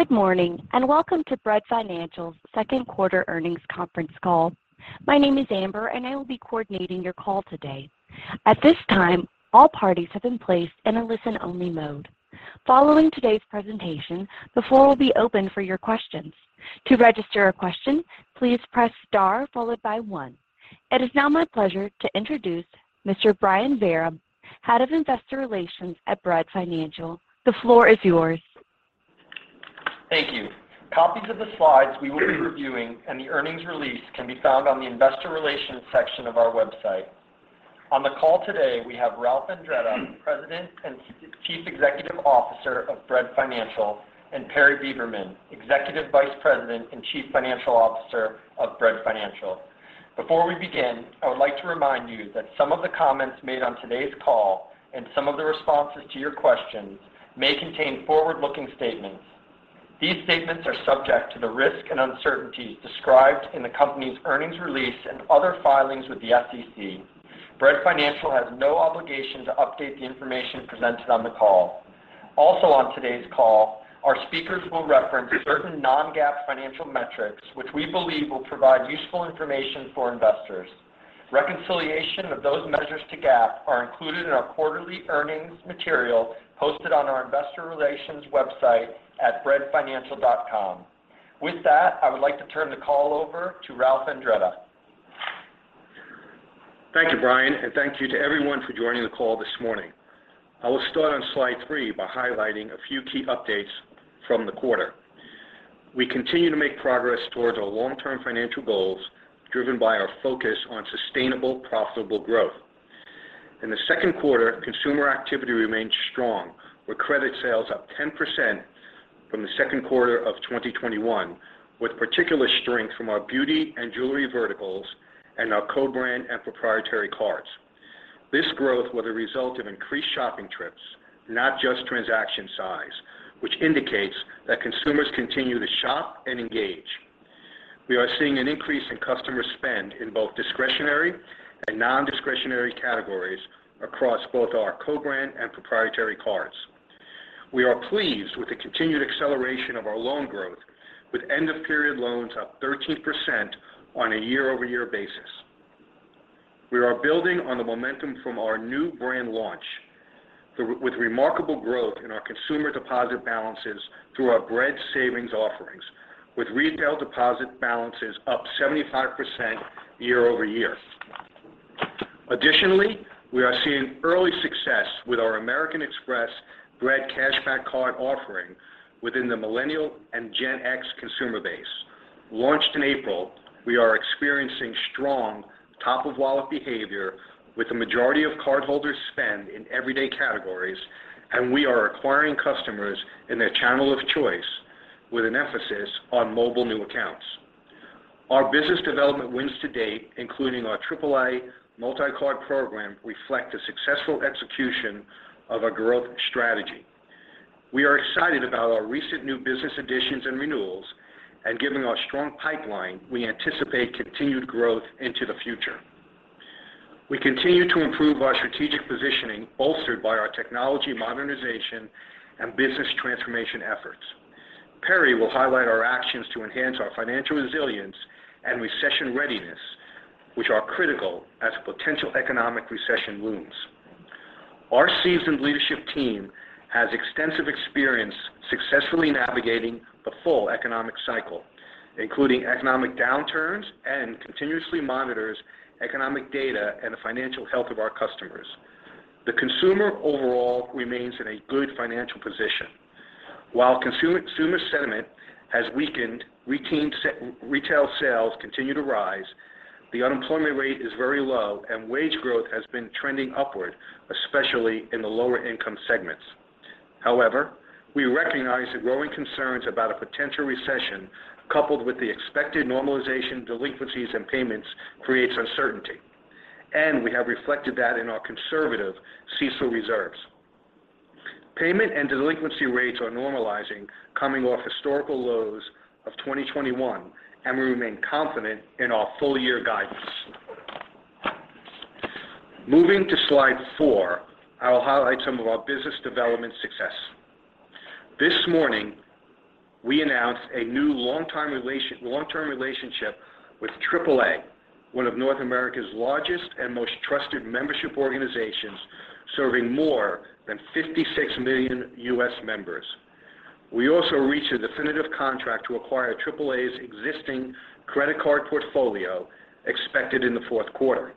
Good morning, and welcome to Bread Financial's second quarter earnings conference call. My name is Amber, and I will be coordinating your call today. At this time, all parties have been placed in a listen-only mode. Following today's presentation, the floor will be open for your questions. To register a question, please press star followed by one. It is now my pleasure to introduce Mr. Brian Vereb, Head of Investor Relations at Bread Financial. The floor is yours. Thank you. Copies of the slides we will be reviewing and the earnings release can be found on the Investor Relations section of our website. On the call today, we have Ralph Andretta, President and Chief Executive Officer of Bread Financial, and Perry Beberman, Executive Vice President and Chief Financial Officer of Bread Financial. Before we begin, I would like to remind you that some of the comments made on today's call and some of the responses to your questions may contain forward-looking statements. These statements are subject to the risks and uncertainties described in the company's earnings release and other filings with the SEC. Bread Financial has no obligation to update the information presented on the call. Also on today's call, our speakers will reference certain non-GAAP financial metrics, which we believe will provide useful information for investors. Reconciliation of those measures to GAAP are included in our quarterly earnings material hosted on our Investor Relations website at breadfinancial.com. With that, I would like to turn the call over to Ralph Andretta. Thank you, Brian, and thank you to everyone for joining the call this morning. I will start on slide 3 by highlighting a few key updates from the quarter. We continue to make progress towards our long-term financial goals, driven by our focus on sustainable, profitable growth. In the second quarter, consumer activity remained strong, with credit sales up 10% from the second quarter of 2021, with particular strength from our beauty and jewelry verticals and our co-brand and proprietary cards. This growth was a result of increased shopping trips, not just transaction size, which indicates that consumers continue to shop and engage. We are seeing an increase in customer spend in both discretionary and non-discretionary categories across both our co-brand and proprietary cards. We are pleased with the continued acceleration of our loan growth, with end-of-period loans up 13% on a year-over-year basis. We are building on the momentum from our new brand launch, with remarkable growth in our consumer deposit balances through our Bread Savings offerings, with retail deposit balances up 75% year-over-year. Additionally, we are seeing early success with our American Express Bread Cashback card offering within the Millennial and Gen X consumer base. Launched in April, we are experiencing strong top-of-wallet behavior with the majority of cardholders' spend in everyday categories, and we are acquiring customers in their channel of choice with an emphasis on mobile new accounts. Our business development wins to date, including our AAA multi-card program, reflect the successful execution of our growth strategy. We are excited about our recent new business additions and renewals, and given our strong pipeline, we anticipate continued growth into the future. We continue to improve our strategic positioning, bolstered by our technology modernization and business transformation efforts. Perry will highlight our actions to enhance our financial resilience and recession readiness, which are critical as a potential economic recession looms. Our seasoned leadership team has extensive experience successfully navigating the full economic cycle, including economic downturns, and continuously monitors economic data and the financial health of our customers. The consumer overall remains in a good financial position. While consumer sentiment has weakened, retail sales continue to rise, the unemployment rate is very low, and wage growth has been trending upward, especially in the lower-income segments. However, we recognize the growing concerns about a potential recession, coupled with the expected normalization of delinquencies in payments creates uncertainty, and we have reflected that in our conservative CECL reserves. Payment and delinquency rates are normalizing coming off historical lows of 2021, and we remain confident in our full-year guidance. Moving to slide 4, I will highlight some of our business development success. This morning, we announced a new long-term relationship with AAA, one of North America's largest and most trusted membership organizations, serving more than 56 million U.S. members. We also reached a definitive contract to acquire AAA's existing credit card portfolio expected in the fourth quarter.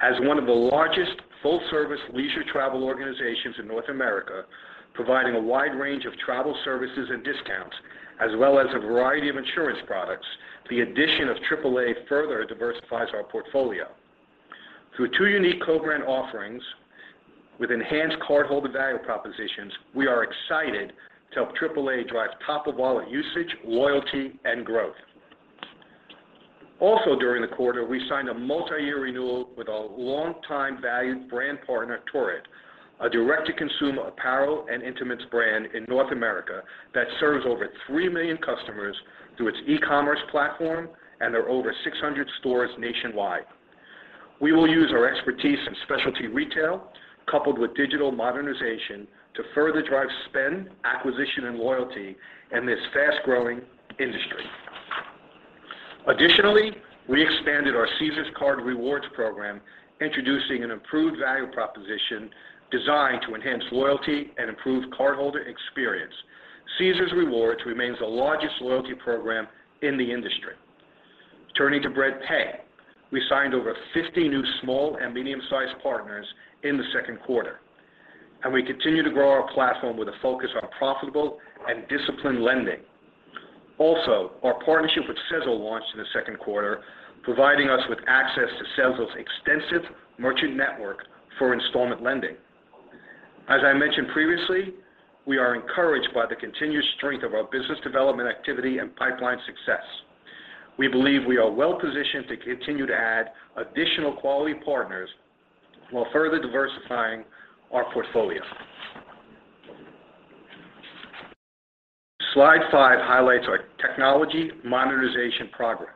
As one of the largest full-service leisure travel organizations in North America, providing a wide range of travel services and discounts, as well as a variety of insurance products, the addition of AAA further diversifies our portfolio. Through two unique co-brand offerings with enhanced cardholder value propositions, we are excited to help AAA drive top-of-wallet usage, loyalty, and growth. During the quarter, we signed a multi-year renewal with our longtime valued brand partner, Torrid, a direct-to-consumer apparel and intimates brand in North America that serves over 3 million customers through its e-commerce platform and their over 600 stores nationwide. We will use our expertise in specialty retail coupled with digital modernization to further drive spend, acquisition and loyalty in this fast-growing industry. Additionally, we expanded our Caesars Rewards program, introducing an improved value proposition designed to enhance loyalty and improve cardholder experience. Caesars Rewards remains the largest loyalty program in the industry. Turning to Bread Pay. We signed over 50 new small and medium-sized partners in the second quarter, and we continue to grow our platform with a focus on profitable and disciplined lending. Also, our partnership with Sezzle launched in the second quarter, providing us with access to Sezzle's extensive merchant network for installment lending. As I mentioned previously, we are encouraged by the continued strength of our business development activity and pipeline success. We believe we are well-positioned to continue to add additional quality partners while further diversifying our portfolio. Slide 5 highlights our technology modernization progress.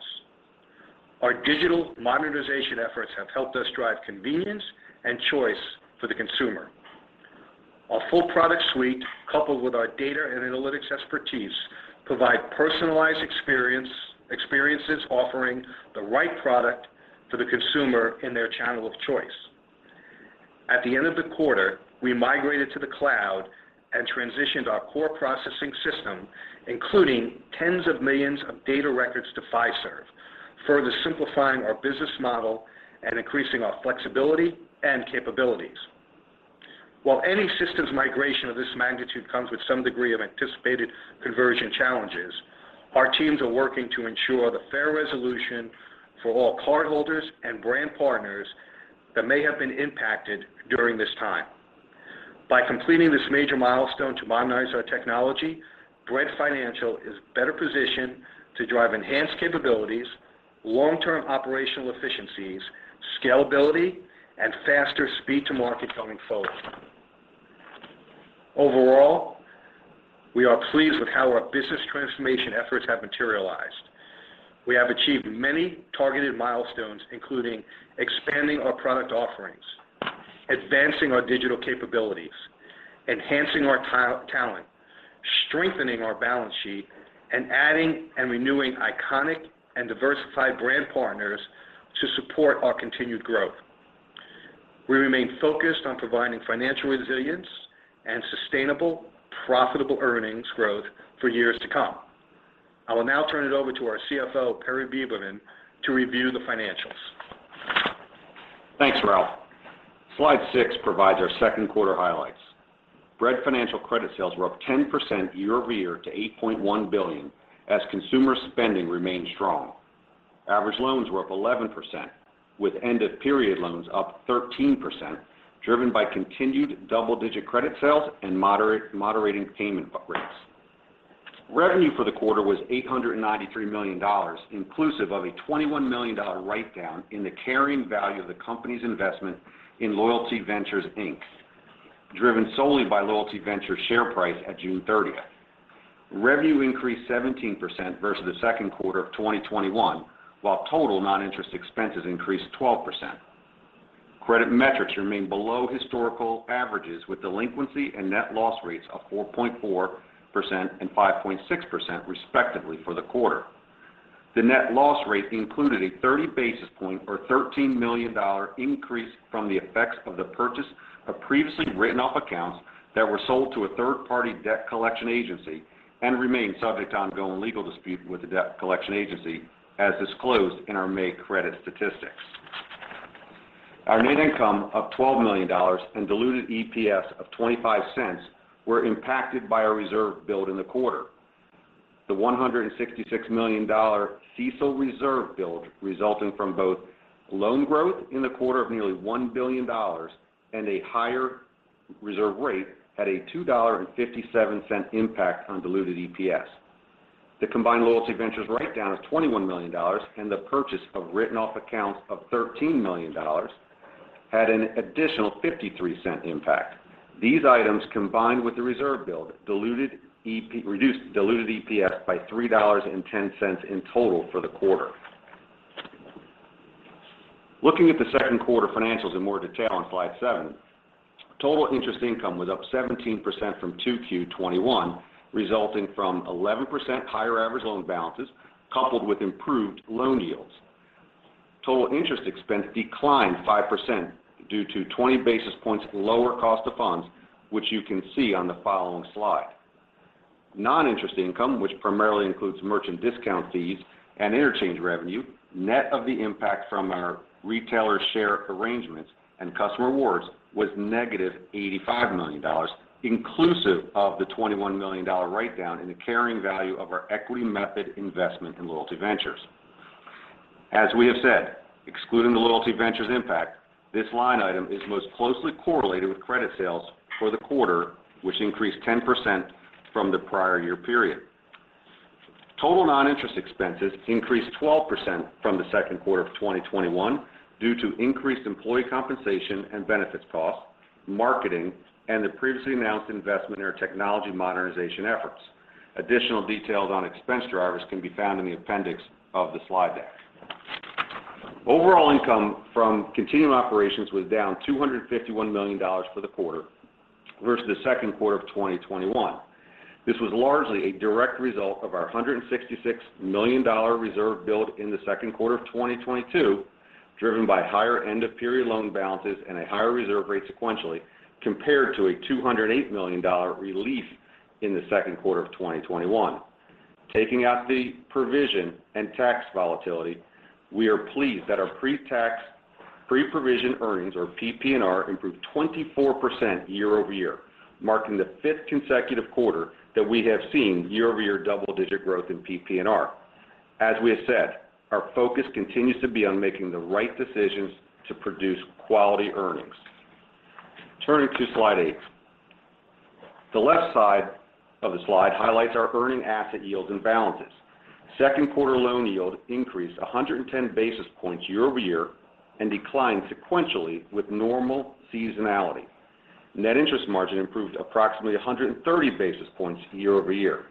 Our digital monetization efforts have helped us drive convenience and choice for the consumer. Our full product suite, coupled with our data and analytics expertise, provide personalized experiences offering the right product to the consumer in their channel of choice. At the end of the quarter, we migrated to the cloud and transitioned our core processing system, including tens of millions of data records to Fiserv, further simplifying our business model and increasing our flexibility and capabilities. While any systems migration of this magnitude comes with some degree of anticipated conversion challenges, our teams are working to ensure the fair resolution for all cardholders and brand partners that may have been impacted during this time. By completing this major milestone to modernize our technology, Bread Financial is better positioned to drive enhanced capabilities, long-term operational efficiencies, scalability and faster speed to market going forward. Overall, we are pleased with how our business transformation efforts have materialized. We have achieved many targeted milestones, including expanding our product offerings, advancing our digital capabilities, enhancing our talent, strengthening our balance sheet, and adding and renewing iconic and diversified brand partners to support our continued growth. We remain focused on providing financial resilience and sustainable, profitable earnings growth for years to come. I will now turn it over to our CFO, Perry Beberman, to review the financials. Thanks, Ralph. Slide 6 provides our second quarter highlights. Bread Financial credit sales were up 10% year-over-year to $8.1 billion as consumer spending remained strong. Average loans were up 11%, with end of period loans up 13%, driven by continued double-digit credit sales and moderating payment rates. Revenue for the quarter was $893 million, inclusive of a $21 million write-down in the carrying value of the company's investment in Loyalty Ventures Inc, driven solely by Loyalty Ventures share price at June 30. Revenue increased 17% versus the second quarter of 2021, while total non-interest expenses increased 12%. Credit metrics remain below historical averages, with delinquency and net loss rates of 4.4% and 5.6%, respectively, for the quarter. The net loss rate included a 30 basis points or $13 million increase from the effects of the purchase of previously written off accounts that were sold to a third-party debt collection agency and remain subject to ongoing legal dispute with the debt collection agency as disclosed in our May credit statistics. Our net income of $12 million and diluted EPS of $0.25 were impacted by our reserve build in the quarter. The $166 million CECL reserve build resulting from both loan growth in the quarter of nearly $1 billion and a higher reserve rate at a $2.57 impact on diluted EPS. The combined Loyalty Ventures write-down of $21 million and the purchase of written off accounts of $13 million had an additional $0.53 impact. These items, combined with the reserve build, reduced diluted EPS by $3.10 in total for the quarter. Looking at the second quarter financials in more detail on slide 7. Total interest income was up 17% from 2Q 2021, resulting from 11% higher average loan balances coupled with improved loan yields. Total interest expense declined 5% due to 20 basis points lower cost of funds, which you can see on the following slide. Non-interest income, which primarily includes merchant discount fees and interchange revenue, net of the impact from our retailer share arrangements and customer rewards, was -$85 million, inclusive of the $21 million write-down in the carrying value of our equity method investment in Loyalty Ventures. As we have said, excluding the Loyalty Ventures impact, this line item is most closely correlated with credit sales for the quarter, which increased 10% from the prior year period. Total non-interest expenses increased 12% from the second quarter of 2021 due to increased employee compensation and benefits costs, marketing and the previously announced investment in our technology modernization efforts. Additional details on expense drivers can be found in the appendix of the slide deck. Overall income from continuing operations was down $251 million for the quarter versus the second quarter of 2021. This was largely a direct result of our $166 million reserve built in the second quarter of 2022, driven by higher end-of-period loan balances and a higher reserve rate sequentially, compared to a $208 million relief in the second quarter of 2021. Taking out the provision and tax volatility, we are pleased that our pretax pre-provision earnings or PPNR improved 24% year-over-year, marking the fifth consecutive quarter that we have seen year-over-year double-digit growth in PPNR. As we have said, our focus continues to be on making the right decisions to produce quality earnings. Turning to slide 8. The left side of the slide highlights our earning asset yields and balances. Second quarter loan yield increased 110 basis points year-over-year and declined sequentially with normal seasonality. Net interest margin improved approximately 130 basis points year-over-year.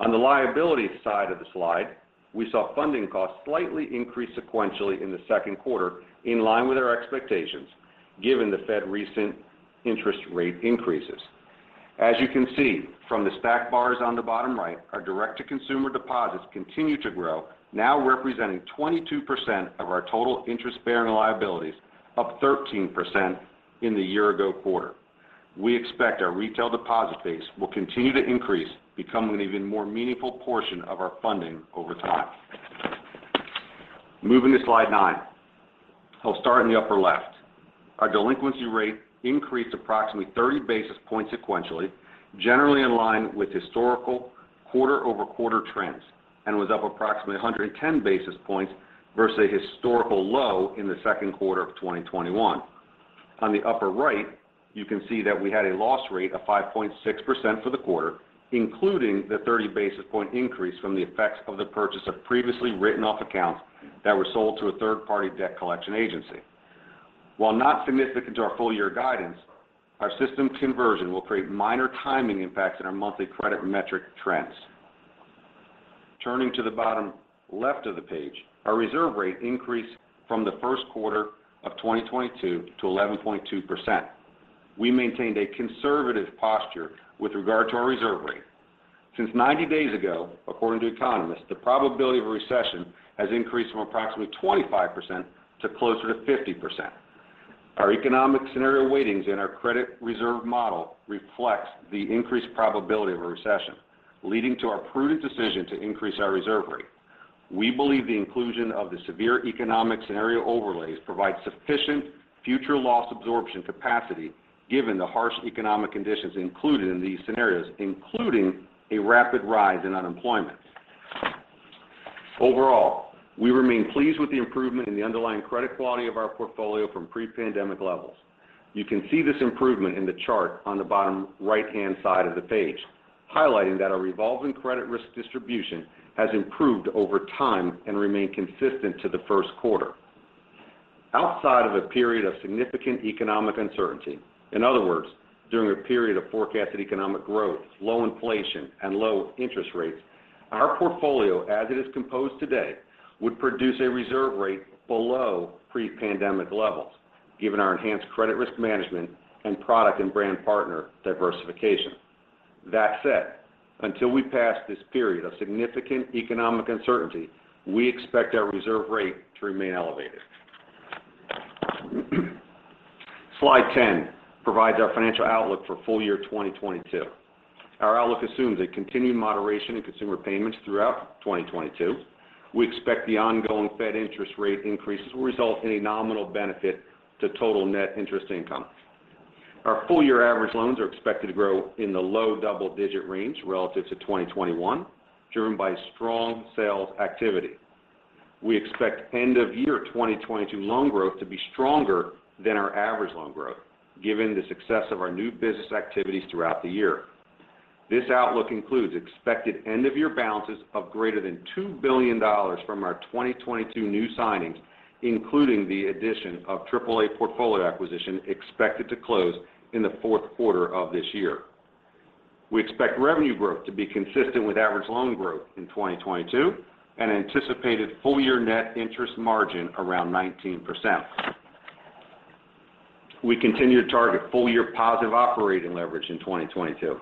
On the liability side of the slide, we saw funding costs slightly increase sequentially in the second quarter in line with our expectations given the Fed's recent interest rate increases. As you can see from the stack bars on the bottom right, our direct-to-consumer deposits continue to grow, now representing 22% of our total interest-bearing liabilities, up 13% in the year ago quarter. We expect our retail deposit base will continue to increase, becoming an even more meaningful portion of our funding over time. Moving to slide 9. I'll start in the upper left. Our delinquency rate increased approximately 30 basis points sequentially, generally in line with historical quarter-over-quarter trends, and was up approximately 110 basis points versus a historical low in the second quarter of 2021. On the upper right, you can see that we had a loss rate of 5.6% for the quarter, including the 30 basis point increase from the effects of the purchase of previously written-off accounts that were sold to a third-party debt collection agency. While not significant to our full-year guidance, our system conversion will create minor timing impacts in our monthly credit metric trends. Turning to the bottom left of the page, our reserve rate increased from the first quarter of 2022 to 11.2%. We maintained a conservative posture with regard to our reserve rate. Since 90 days ago, according to economists, the probability of a recession has increased from approximately 25% to closer to 50%. Our economic scenario weightings in our credit reserve model reflects the increased probability of a recession, leading to our prudent decision to increase our reserve rate. We believe the inclusion of the severe economic scenario overlays provides sufficient future loss absorption capacity given the harsh economic conditions included in these scenarios, including a rapid rise in unemployment. Overall, we remain pleased with the improvement in the underlying credit quality of our portfolio from pre-pandemic levels. You can see this improvement in the chart on the bottom right-hand side of the page, highlighting that our revolving credit risk distribution has improved over time and remain consistent to the first quarter. Outside of a period of significant economic uncertainty, in other words, during a period of forecasted economic growth, low inflation, and low interest rates, our portfolio as it is composed today, would produce a reserve rate below pre-pandemic levels given our enhanced credit risk management and product and brand partner diversification. That said, until we pass this period of significant economic uncertainty, we expect our reserve rate to remain elevated. Slide 10 provides our financial outlook for full year 2022. Our outlook assumes a continued moderation in consumer payments throughout 2022. We expect the ongoing Fed interest rate increases will result in a nominal benefit to total net interest income. Our full year average loans are expected to grow in the low double-digit range relative to 2021, driven by strong sales activity. We expect end of year 2022 loan growth to be stronger than our average loan growth given the success of our new business activities throughout the year. This outlook includes expected end-of-year balances of greater than $2 billion from our 2022 new signings, including the addition of AAA portfolio acquisition expected to close in the fourth quarter of this year. We expect revenue growth to be consistent with average loan growth in 2022 and anticipated full year net interest margin around 19%. We continue to target full-year positive operating leverage in 2022.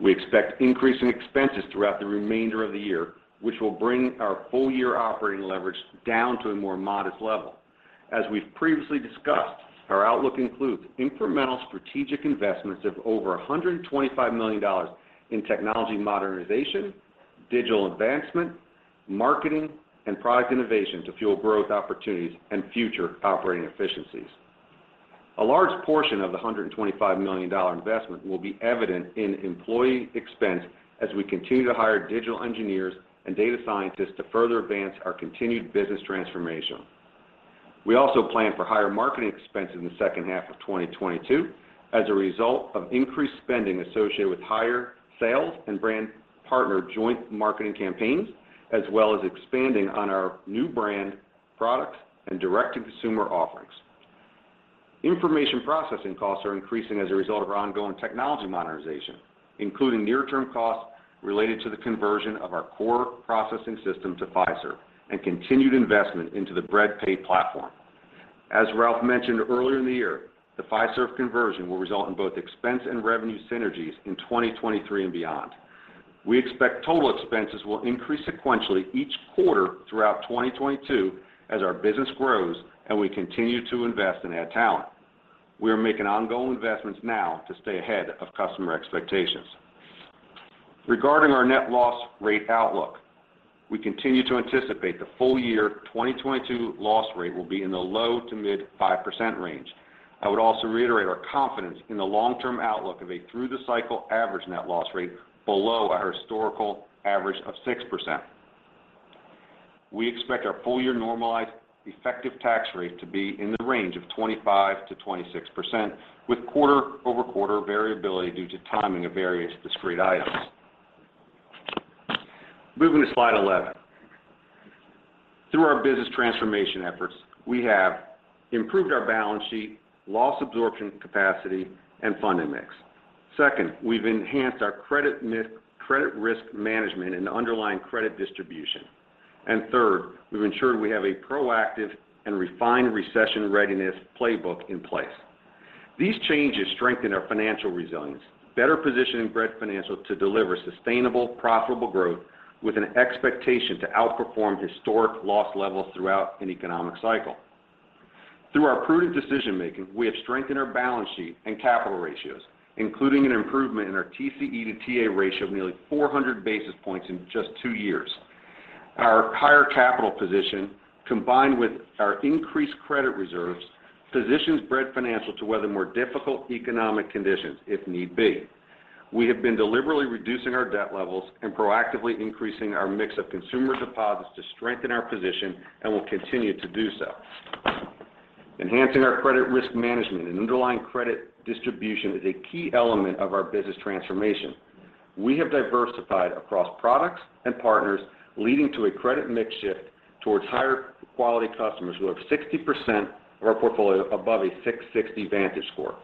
We expect increasing expenses throughout the remainder of the year, which will bring our full-year operating leverage down to a more modest level. As we've previously discussed, our outlook includes incremental strategic investments of over $125 million in technology modernization, digital advancement, marketing, and product innovation to fuel growth opportunities and future operating efficiencies. A large portion of the $125 million investment will be evident in employee expense as we continue to hire digital engineers and data scientists to further advance our continued business transformation. We also plan for higher marketing expenses in the second half of 2022 as a result of increased spending associated with higher sales and brand partner joint marketing campaigns, as well as expanding on our new brand products and direct-to-consumer offerings. Information processing costs are increasing as a result of our ongoing technology modernization, including near-term costs related to the conversion of our core processing system to Fiserv and continued investment into the Bread Pay platform. As Ralph mentioned earlier in the year, the Fiserv conversion will result in both expense and revenue synergies in 2023 and beyond. We expect total expenses will increase sequentially each quarter throughout 2022 as our business grows and we continue to invest and add talent. We are making ongoing investments now to stay ahead of customer expectations. Regarding our net loss rate outlook, we continue to anticipate the full year 2022 loss rate will be in the low-to-mid 5% range. I would also reiterate our confidence in the long-term outlook of a through the cycle average net loss rate below our historical average of 6%. We expect our full-year normalized effective tax rate to be in the range of 25%-26%, with quarter-over-quarter variability due to timing of various discrete items. Moving to slide 11. Through our business transformation efforts, we have improved our balance sheet, loss absorption capacity, and funding mix. Second, we've enhanced our credit risk management and underlying credit distribution. Third, we've ensured we have a proactive and refined recession readiness playbook in place. These changes strengthen our financial resilience, better positioning Bread Financial to deliver sustainable, profitable growth with an expectation to outperform historic loss levels throughout an economic cycle. Through our prudent decision-making, we have strengthened our balance sheet and capital ratios, including an improvement in our TCE to TA ratio of nearly 400 basis points in just two years. Our higher capital position, combined with our increased credit reserves, positions Bread Financial to weather more difficult economic conditions if need be. We have been deliberately reducing our debt levels and proactively increasing our mix of consumer deposits to strengthen our position and will continue to do so. Enhancing our credit risk management and underlying credit distribution is a key element of our business transformation. We have diversified across products and partners, leading to a credit mix shift towards higher quality customers with over 60% of our portfolio above a 660 VantageScore.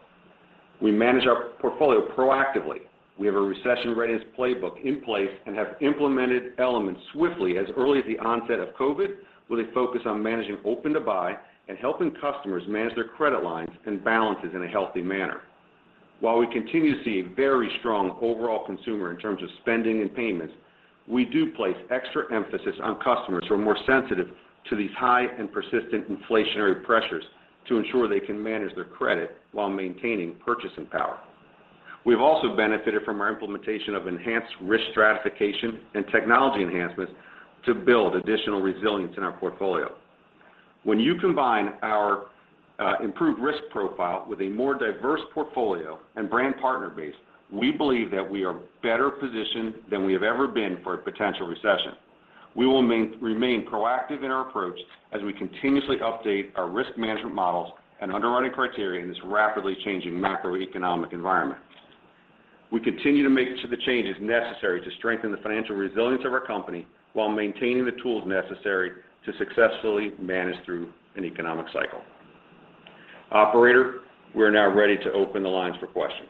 We manage our portfolio proactively. We have a recession readiness playbook in place and have implemented elements swiftly as early as the onset of COVID, with a focus on managing open to buy and helping customers manage their credit lines and balances in a healthy manner. While we continue to see a very strong overall consumer in terms of spending and payments, we do place extra emphasis on customers who are more sensitive to these high and persistent inflationary pressures to ensure they can manage their credit while maintaining purchasing power. We've also benefited from our implementation of enhanced risk stratification and technology enhancements to build additional resilience in our portfolio. When you combine our improved risk profile with a more diverse portfolio and brand partner base, we believe that we are better positioned than we have ever been for a potential recession. We will remain proactive in our approach as we continuously update our risk management models and underwriting criteria in this rapidly changing macroeconomic environment. We continue to make the changes necessary to strengthen the financial resilience of our company while maintaining the tools necessary to successfully manage through an economic cycle. Operator, we are now ready to open the lines for questions.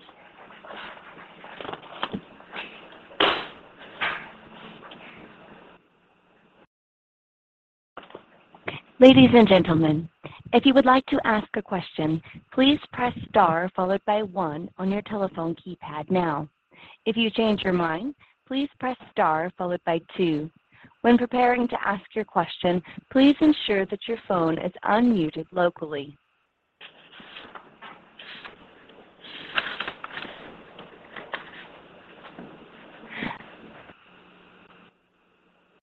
Ladies and gentlemen, if you would like to ask a question, please press star followed by one on your telephone keypad now. If you change your mind, please press star followed by two. When preparing to ask your question, please ensure that your phone is unmuted locally.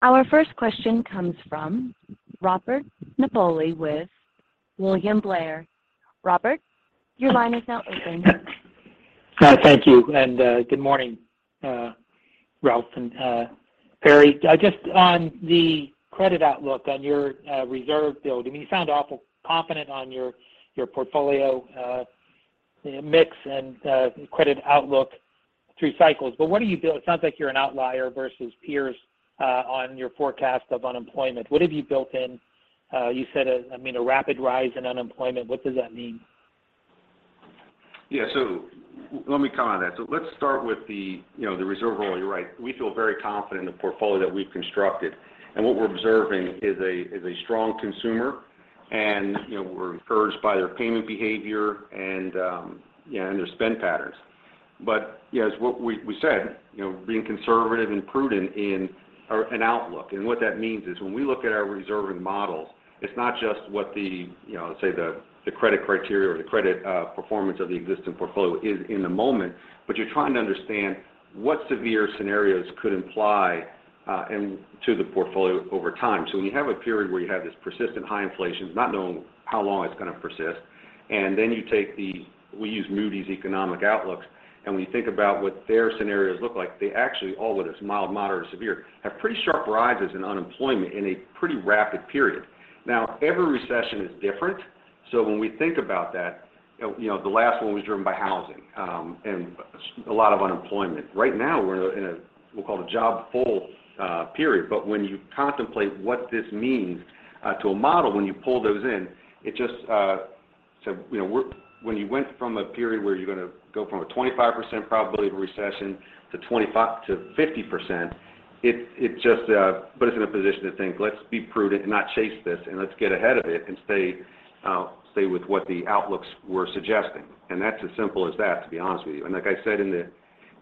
Our first question comes from Robert Napoli with William Blair. Robert, your line is now open. Hi. Thank you. Good morning, Ralph and Perry. Just on the credit outlook on your reserve building, you sound awful confident on your portfolio mix and credit outlook through cycles. What do you build? It sounds like you're an outlier versus peers on your forecast of unemployment. What have you built in? You said a, I mean, a rapid rise in unemployment. What does that mean? Yeah. Let me comment on that. Let's start with you know, the reserve roll. You're right. We feel very confident in the portfolio that we've constructed. What we're observing is a strong consumer and, you know, we're encouraged by their payment behavior and, yeah, and their spend patterns. Yeah, as we said, you know, being conservative and prudent in our outlook. What that means is when we look at our reserving models, it's not just what the, you know, the credit criteria or the credit performance of the existing portfolio is in the moment, but you're trying to understand what severe scenarios could imply and to the portfolio over time. When you have a period where you have this persistent high inflation, not knowing how long it's going to persist, and then we use Moody's economic outlooks, and when you think about what their scenarios look like, they actually all, whether it's mild, moderate, or severe, have pretty sharp rises in unemployment in a pretty rapid period. Every recession is different. When we think about that, you know, the last one was driven by housing and a lot of unemployment. Right now we're in a, we'll call it, a job-full period. When you contemplate what this means to a model when you pull those in, it just, you know, when you went from a period where you're going to go from a 25% probability of a recession to 50%, it just put us in a position to think, let's be prudent and not chase this, and let's get ahead of it and stay with what the outlooks were suggesting. That's as simple as that, to be honest with you. Like I said in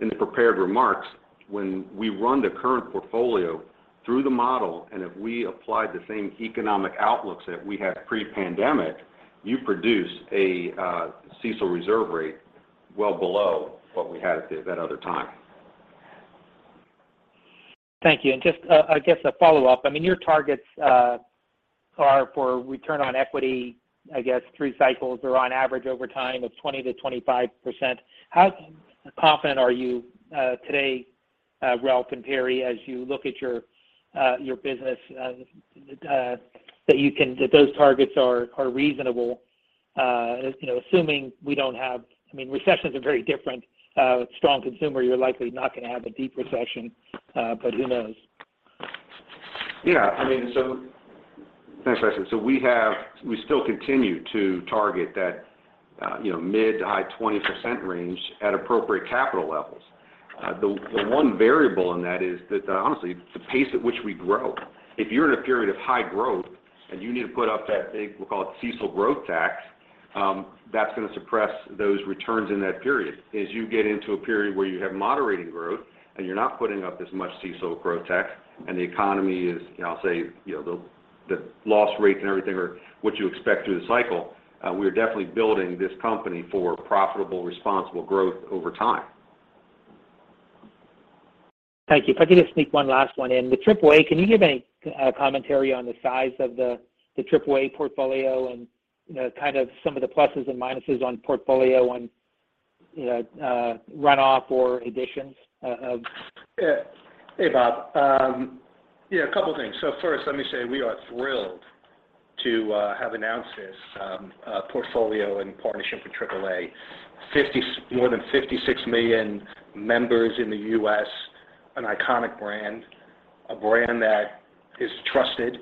the prepared remarks, when we run the current portfolio through the model, and if we applied the same economic outlooks that we had pre-pandemic, you produce a CECL reserve rate well below what we had at that other time. Thank you. Just a, I guess, a follow-up. I mean, your targets are for return on equity, I guess three cycles or on average over time of 20%-25%. How confident are you today, Ralph and Perry, as you look at your business, that those targets are reasonable? You know, assuming we don't have. I mean, recessions are very different. Strong consumer, you're likely not going to have a deep recession, but who knows? Yeah, I mean, that's interesting. We still continue to target that, you know, mid- to high-20% range at appropriate capital levels. The one variable in that is that, honestly, it's the pace at which we grow. If you're in a period of high growth and you need to put up that big, we'll call it CECL growth tax, that's going to suppress those returns in that period. As you get into a period where you have moderating growth and you're not putting up as much CECL growth tax and the economy is, you know, I'll say, you know, the loss rates and everything are what you expect through the cycle, we are definitely building this company for profitable, responsible growth over time. Thank you. If I could just sneak one last one in. The AAA, can you give any commentary on the size of the AAA portfolio and, you know, kind of some of the pluses and minuses on portfolio and, you know, runoff or additions? Yeah. Hey, Bob. Yeah, a couple of things. First, let me say we are thrilled to have announced this portfolio in partnership with AAA. More than 56 million members in the U.S., an iconic brand, a brand that is trusted,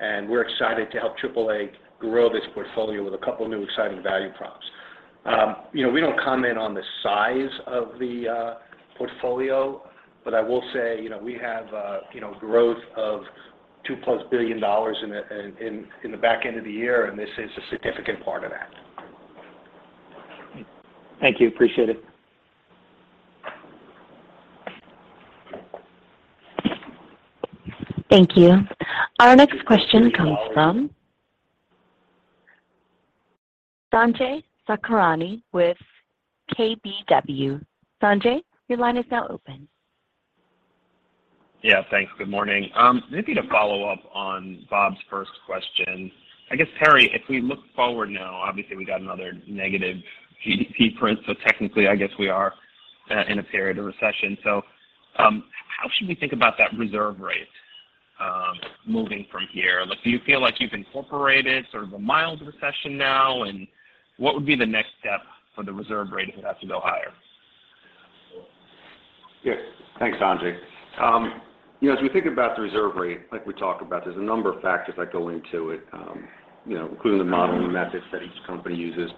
and we're excited to help AAA grow this portfolio with a couple new exciting value props. You know, we don't comment on the size of the portfolio, but I will say, you know, we have growth of $2+ billion in the back end of the year, and this is a significant part of that. Thank you. Appreciate it. Thank you. Our next question comes from Sanjay Sakhrani with KBW. Sanjay, your line is now open. Yeah, thanks. Good morning. Maybe to follow up on Bob's first question. I guess, Perry, if we look forward now, obviously we got another negative GDP print, so technically, I guess we are in a period of recession. How should we think about that reserve rate moving from here? Like, do you feel like you've incorporated sort of a mild recession now? What would be the next step for the reserve rate if it has to go higher? Yeah. Thanks, Sanjay. You know, as we think about the reserve rate, like we talked about, there's a number of factors that go into it, you know, including the modeling methods that each company uses.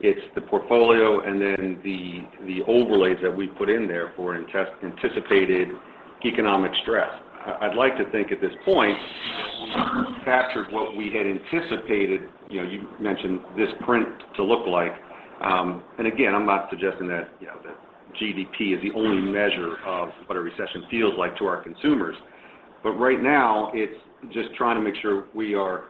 It's the portfolio and then the overlays that we put in there for anticipated economic stress. I'd like to think at this point, we've captured what we had anticipated, you know, you mentioned this print to look like. Again, I'm not suggesting that, you know, the GDP is the only measure of what a recession feels like to our consumers. Right now, it's just trying to make sure we are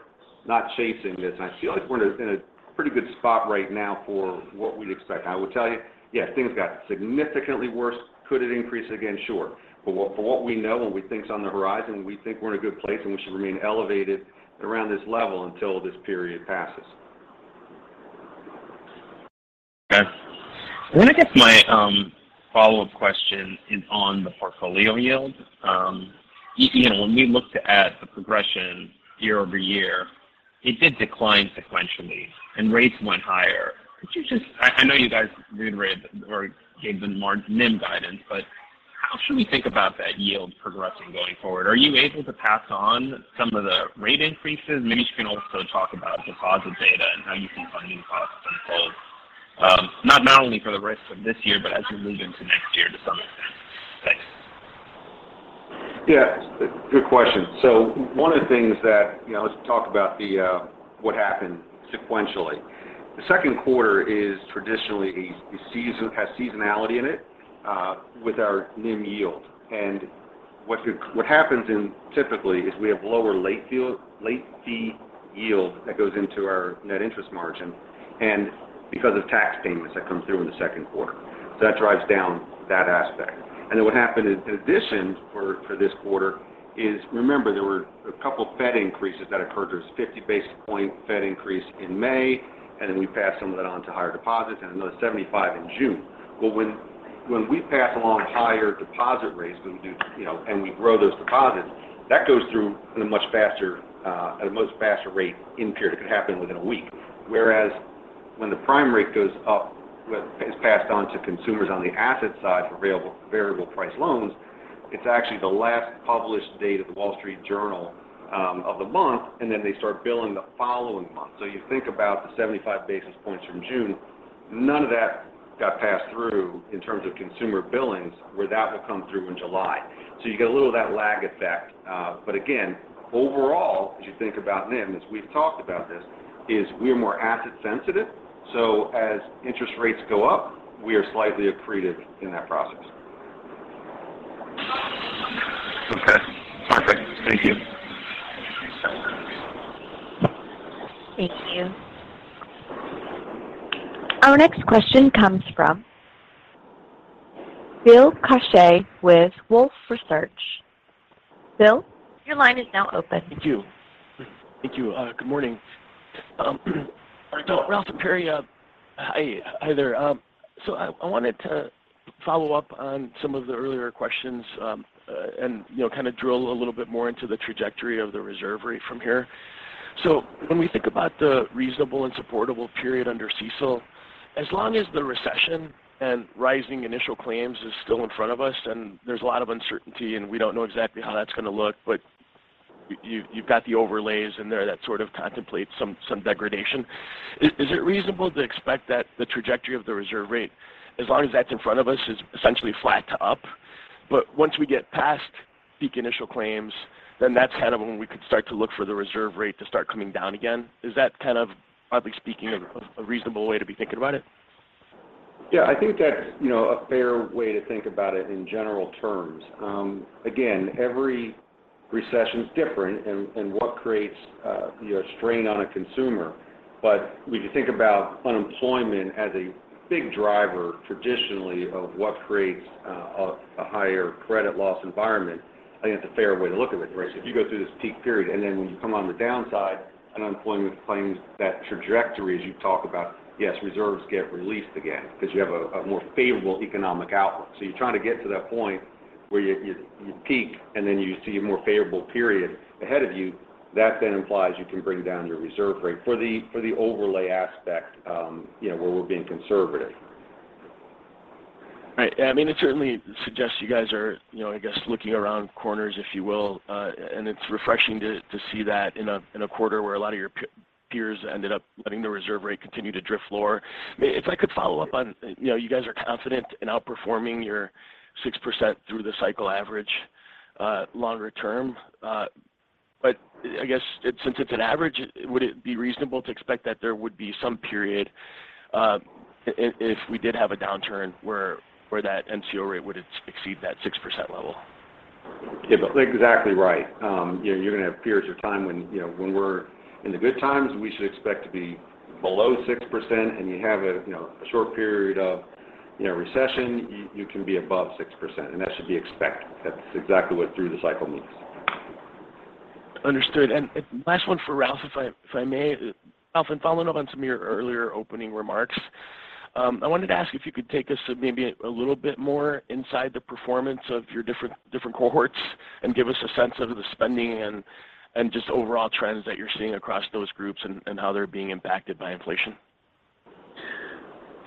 not chasing this. I feel like we're in a pretty good spot right now for what we'd expect. I will tell you, yes, things got significantly worse. Could it increase again? Sure. For what we know, and we think is on the horizon, we think we're in a good place, and we should remain elevated around this level until this period passes. Okay. I guess my follow-up question is on the portfolio yield. You know, when we looked at the progression year-over-year, it did decline sequentially and rates went higher. Could you--I know you guys reiterated or gave the margin NIM guidance--but how should we think about that yield progressing going forward? Are you able to pass on some of the rate increases? Maybe you can also talk about deposit data and how you see funding costs unfold, not only for the rest of this year, but as we move into next year to some extent. Thanks. Yeah, good question. One of the things that, you know, let's talk about the what happened sequentially. The second quarter is traditionally has seasonality in it with our NIM yield. What happens typically is we have lower late fee yield that goes into our net interest margin, and because of tax payments that come through in the second quarter. That drives down that aspect. Then what happened in addition for this quarter is, remember, there were a couple Fed increases that occurred. There was 50 basis point Fed increase in May, and then we passed some of that on to higher deposits and another 75 basis point in June. When we pass along higher deposit rates than we do, you know, and we grow those deposits, that goes through at a much faster rate in period. It could happen within a week. Whereas, when the prime rate goes up, when it's passed on to consumers on the asset side for available variable price loans, it's actually the last published date of The Wall Street Journal of the month, and then they start billing the following month. So you think about the 75 basis points from June, none of that got passed through in terms of consumer billings where that will come through in July. So you get a little of that lag effect. Again, overall, as you think about NIM, as we've talked about this, we're more asset sensitive, so as interest rates go up, we are slightly accretive in that process. Okay. Perfect. Thank you. Thank you. Our next question comes from Bill Carcache with Wolfe Research. Bill, your line is now open. Thank you. Good morning. Ralph and Perry, hi there. I wanted to follow up on some of the earlier questions, and, you know, kind of drill a little bit more into the trajectory of the reserve rate from here. When we think about the reasonable and supportable period under CECL, as long as the recession and rising initial claims is still in front of us, and there's a lot of uncertainty, and we don't know exactly how that's gonna look, but you've got the overlays in there that sort of contemplate some degradation. Is it reasonable to expect that the trajectory of the reserve rate, as long as that's in front of us, is essentially flat to up? Once we get past peak initial claims, then that's kind of when we could start to look for the reserve rate to start coming down again. Is that kind of, broadly speaking, a reasonable way to be thinking about it? Yeah. I think that's, you know, a fair way to think about it in general terms. Again, every recession's different and what creates, you know, strain on a consumer. When you think about unemployment as a big driver traditionally of what creates a higher credit loss environment, I think that's a fair way to look at it, right? If you go through this peak period, and then when you come on the downside, unemployment claims that trajectory as you talk about, yes, reserves get released again because you have a more favorable economic outlook. You're trying to get to that point where you peak and then you see a more favorable period ahead of you. That then implies you can bring down your reserve rate for the overlay aspect, you know, where we're being conservative. Right. I mean, it certainly suggests you guys are, you know, I guess looking around corners, if you will, and it's refreshing to see that in a quarter where a lot of your peers ended up letting the reserve rate continue to drift lower. If I could follow up on, you know, you guys are confident in outperforming your 6% through the cycle average longer term. I guess since it's an average, would it be reasonable to expect that there would be some period, if we did have a downturn where that NCO rate would exceed that 6% level? Yeah. Exactly right. You know, you're gonna have periods of time when, you know, when we're in the good times, we should expect to be below 6%, and you have a, you know, short period of, you know, recession, you can be above 6%, and that should be expected. That's exactly what through the cycle means. Understood. Last one for Ralph, if I may. Ralph, in following up on some of your earlier opening remarks, I wanted to ask if you could take us maybe a little bit more inside the performance of your different cohorts and give us a sense of the spending and just overall trends that you're seeing across those groups, and how they're being impacted by inflation.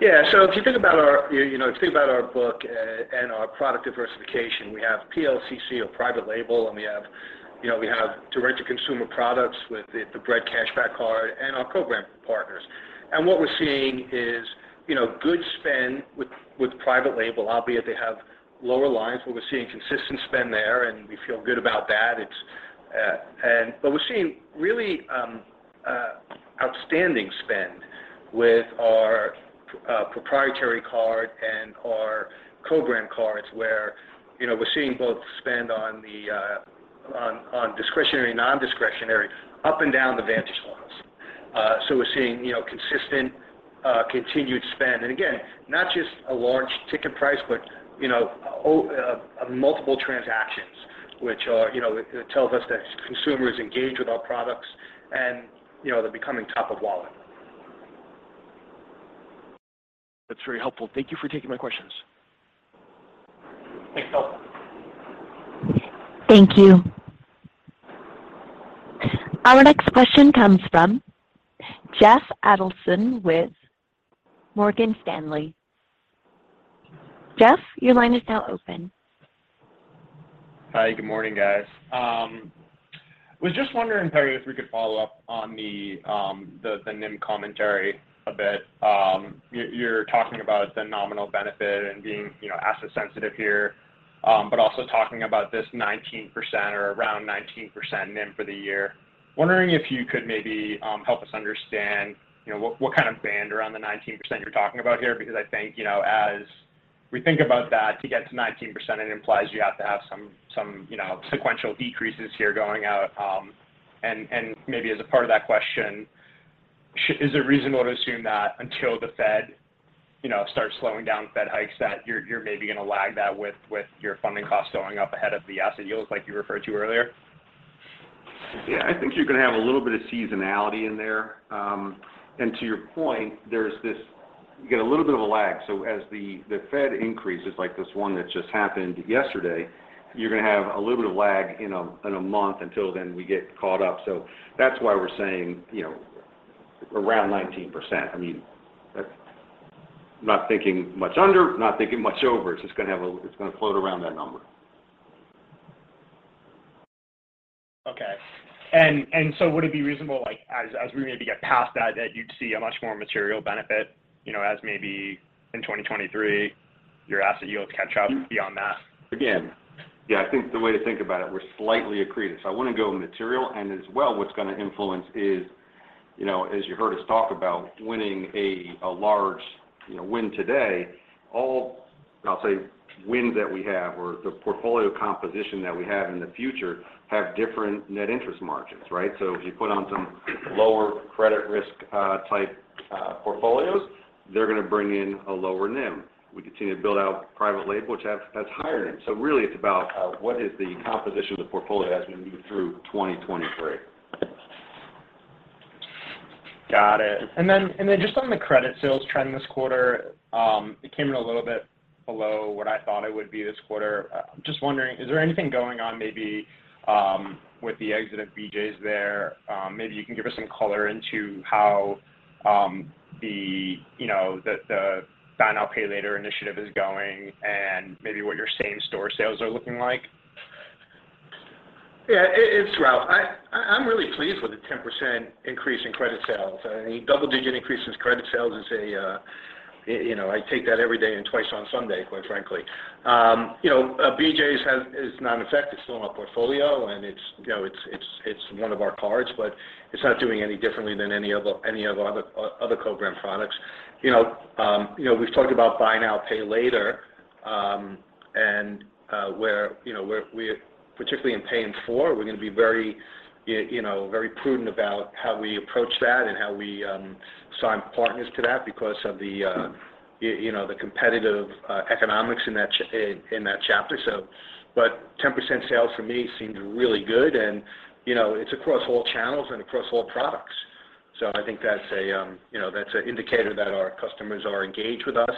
Yeah. If you think about our book, you know, and our product diversification, we have PLCC or private label, and we have direct-to-consumer products with the Bread Cashback card and our program partners. What we're seeing is, you know, good spend with private label. Albeit they have lower lines, but we're seeing consistent spend there, and we feel good about that. We're seeing really outstanding spend with our proprietary card and our co-brand cards, where, you know, we're seeing both spend on the discretionary and nondiscretionary up and down the Vantage levels. We're seeing, you know, consistent continued spend. Again, not just a large ticket price, but, you know, multiple transactions which are, you know, it tells us that consumers engage with our products and, you know, they're becoming top of wallet. That's very helpful. Thank you for taking my questions. Thanks, Bill. Thank you. Our next question comes from Jeff Adelson with Morgan Stanley. Jeff, your line is now open. Hi. Good morning, guys. Was just wondering, Perry, if we could follow up on the NIM commentary a bit. You're talking about the nominal benefit and being, you know, asset sensitive here, but also talking about this 19% or around 19% NIM for the year. Wondering if you could maybe help us understand, you know, what kind of band around the 19% you're talking about here, because I think, you know, as we think about that, to get to 19%, it implies you have to have some, you know, sequential decreases here going out. Maybe, as a part of that question, is it reasonable to assume that until the Fed, you know, starts slowing down Fed hikes, that you're maybe gonna lag that with your funding costs going up ahead of the asset yields like you referred to earlier? Yeah. I think you're gonna have a little bit of seasonality in there. To your point, you get a little bit of a lag. As the Fed increases, like this one that just happened yesterday, you're gonna have a little bit of lag in a month until then we get caught up. That's why we're saying, you know, around 19%. I mean, that's. I'm not thinking much under, not thinking much over. It's just gonna have. It's gonna float around that number. Would it be reasonable, like, as we maybe get past that you'd see a much more material benefit, you know, as maybe in 2023 your asset yields catch up beyond that? Again, yeah, I think the way to think about it, we're slightly accretive. I wouldn't go material. As well, what's gonna influence is, you know, as you heard us talk about winning a large, you know, win today, all, I'll say, wins that we have or the portfolio composition that we have in the future have different net interest margins, right? If you put on some lower credit risk type portfolios, they're gonna bring in a lower NIM. We continue to build out private label, which has higher NIM. Really, it's about what is the composition of the portfolio as we move through 2023. Got it. Then just on the credit sales trend this quarter, it came in a little bit below what I thought it would be this quarter. I'm just wondering, is there anything going on maybe with the exit of BJ's there? Maybe you can give us some color into how the, you know, the buy now pay later initiative is going and maybe what your same store sales are looking like. Yeah. Ralph, I'm really pleased with the 10% increase in credit sales. Any double-digit increase in credit sales is a you know, I take that every day and twice on Sunday, quite frankly. BJ's is not affected. It's still in our portfolio and it's, you know, it's one of our cards, but it's not doing any differently than any of our other co-brand products. You know, we've talked about buy now, pay later and where we particularly in pay in four, we're gonna be very prudent about how we approach that and how we sign partners to that because of the competitive economics in that chapter. 10% sales for me seems really good and, you know, it's across all channels and across all products. I think that's a, you know, that's an indicator that our customers are engaged with us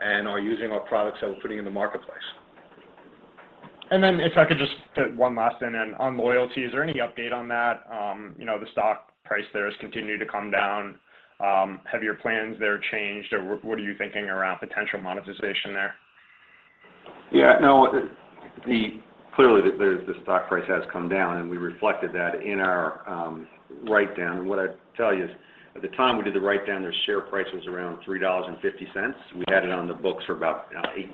and are using our products that we're putting in the marketplace. If I could just put one last in then. On loyalty, is there any update on that? You know, the stock price there has continued to come down. Have your plans there changed, or what are you thinking around potential monetization there? Yeah. No, clearly the stock price has come down, and we reflected that in our write-down. What I'd tell you is, at the time we did the write-down, their share price was around $3.50. We had it on the books for about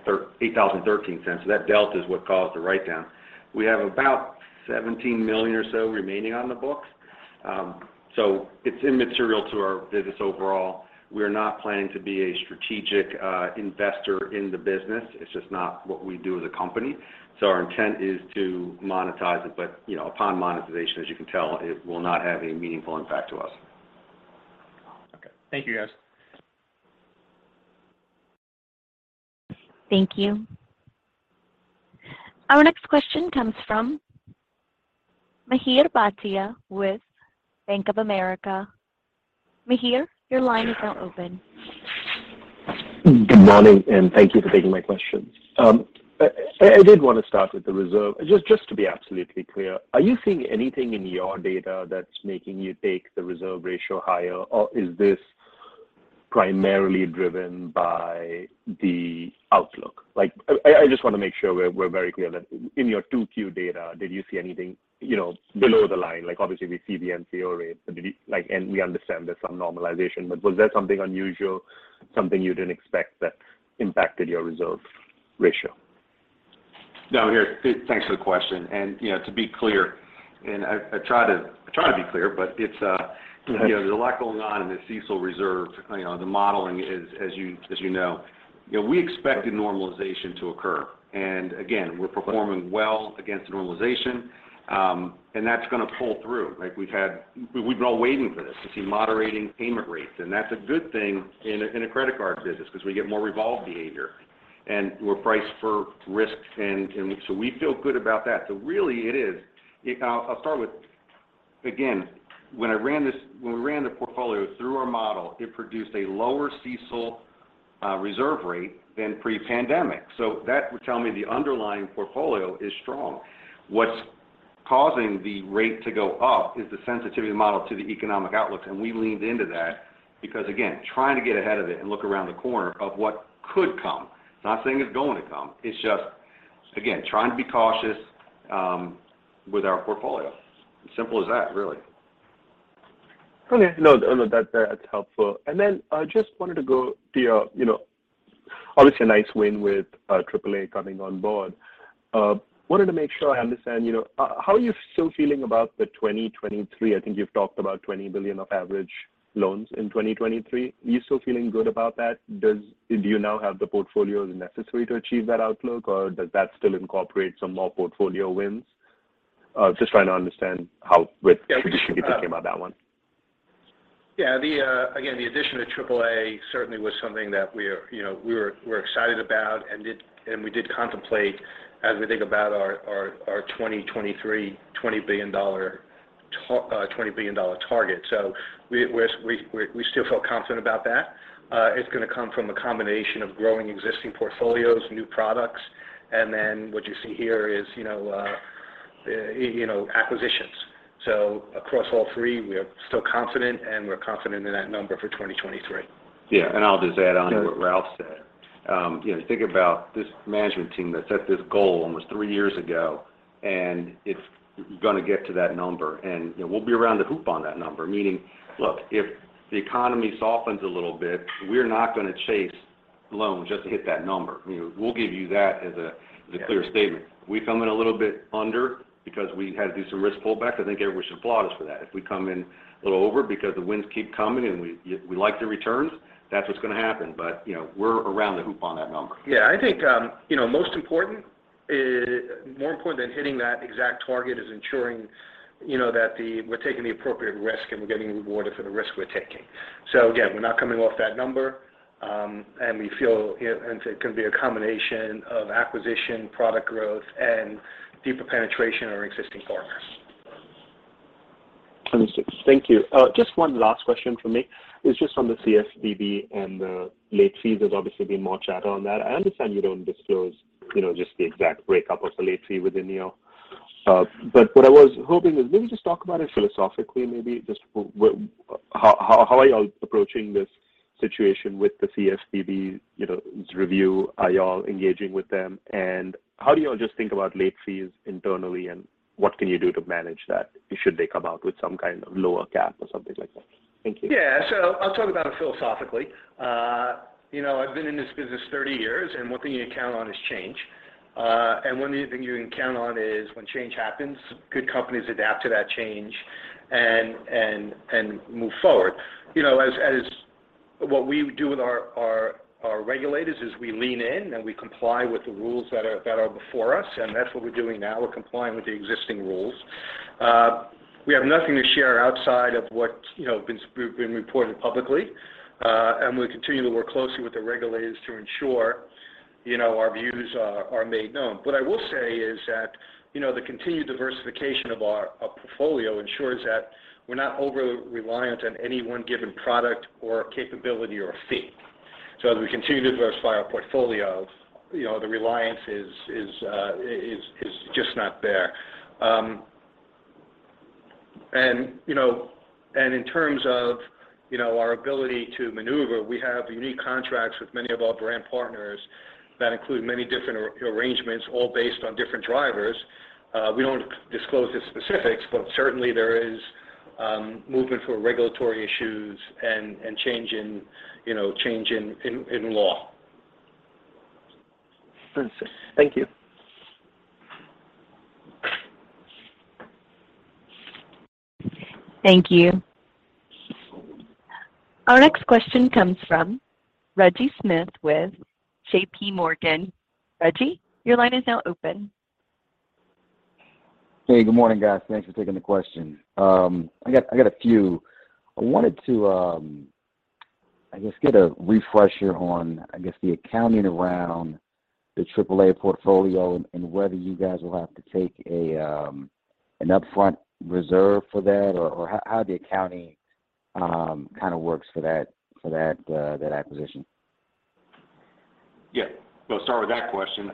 $80.13. So that delta is what caused the write-down. We have about $17 million or so remaining on the books. So it's immaterial to our business overall. We're not planning to be a strategic investor in the business. It's just not what we do as a company, so our intent is to monetize it. You know, upon monetization, as you can tell, it will not have a meaningful impact to us. Okay. Thank you, guys. Thank you. Our next question comes from Mihir Bhatia with Bank of America. Mihir, your line is now open. Good morning, and thank you for taking my question. I did want to start with the reserve. Just to be absolutely clear, are you seeing anything in your data that's making you take the reserve ratio higher? Or is this primarily driven by the outlook? Like, I just want to make sure we're very clear that in your 2Q data, did you see anything, you know, below the line? Like, obviously we see the NCO rate, but did you, like, and we understand there's some normalization, but was there something unusual, something you didn't expect that impacted your reserve ratio? No, Mihir. Thanks for the question. You know, to be clear, and I try to be clear, but it's- Yeah. ... you know, there's a lot going on in the CECL reserve. You know, the modeling is as, you know, we expected normalization to occur. Again, we're performing well against the normalization, and that's gonna pull through. Like, we've all been waiting for this to see moderating payment rates, and that's a good thing in a credit card business 'cause we get more revolve behavior, and we're priced for risk and so we feel good about that. Really, it is. I'll start with--Again, when we ran the portfolio through our model, it produced a lower CECL reserve rate than pre-pandemic. So that would tell me the underlying portfolio is strong. What's causing the rate to go up is the sensitivity model to the economic outlook, and we leaned into that because, again, trying to get ahead of it and look around the corner of what could come. Not saying it's going to come. It's just, again, trying to be cautious with our portfolio. Simple as that, really. Okay. No, no, that's helpful. I just wanted to go to your, you know, obviously a nice win with AAA coming on board. Wanted to make sure I understand, you know, how are you still feeling about the 2023? I think you've talked about $20 billion of average loans in 2023. Are you still feeling good about that? Do you now have the portfolios necessary to achieve that outlook, or does that still incorporate some more portfolio wins? Just trying to understand how- Yeah. We-... strategic you feel about that one? Yeah. Again, the addition of AAA certainly was something that we're, you know, we're excited about and we did contemplate as we think about our 2023 $20 billion target. We still feel confident about that. It's gonna come from a combination of growing existing portfolios, new products, and then what you see here is, you know, acquisitions. Across all three, we are still confident, and we're confident in that number for 2023. Yeah. I'll just add on to what Ralph said. You know, think about this management team that set this goal almost three years ago, and it's gonna get to that number. You know, we'll be around the hoop on that number. Meaning, look, if the economy softens a little bit, we're not gonna chase loans just to hit that number. You know, we'll give you that as a clear statement. We come in a little bit under because we had to do some risk pullbacks. I think everyone should applaud us for that. If we come in a little over because the winds keep coming and we like the returns, that's what's gonna happen. You know, we're around the hoop on that number. Yeah. I think, you know, more important than hitting that exact target is ensuring, you know, that we're taking the appropriate risk and we're getting rewarded for the risk we're taking. Again, we're not coming off that number, and it can be a combination of acquisition, product growth, and deeper penetration on our existing partners. Understood. Thank you. Just one last question from me. It's just on the CFPB and the late fees. There's obviously been more chatter on that. I understand you don't disclose, you know, just the exact breakdown of the late fee within NCO. But what I was hoping is maybe just talk about it philosophically maybe. How are you all approaching this situation with the CFPB, you know, review? Are y'all engaging with them? How do y'all just think about late fees internally, and what can you do to manage that should they come out with some kind of lower cap or something like that? Thank you. Yeah. I'll talk about it philosophically. You know, I've been in this business 30 years, and one thing you can count on is change. One thing you can count on is when change happens, good companies adapt to that change and move forward. You know, as what we do with our regulators is we lean in, and we comply with the rules that are before us, and that's what we're doing now. We're complying with the existing rules. We have nothing to share outside of what you know been reported publicly. We continue to work closely with the regulators to ensure you know our views are made known. What I will say is that the continued diversification of our portfolio ensures that we're not overly reliant on any one given product or capability or fee. As we continue to diversify our portfolio, the reliance is just not there. In terms of our ability to maneuver, we have unique contracts with many of our brand partners that include many different arrangements all based on different drivers. We don't disclose the specifics, but certainly there is movement for regulatory issues and change in law. Understood. Thank you. Thank you. Our next question comes from Reggie Smith with JPMorgan. Reggie, your line is now open. Hey, good morning, guys. Thanks for taking the question. I got a few. I wanted to, I guess get a refresher on, I guess, the accounting around the AAA portfolio and whether you guys will have to take an upfront reserve for that or how the accounting kind of works for that acquisition. Yeah. Start with that question.